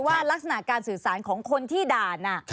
ลักษณะการสื่อสารของคนที่ด่าน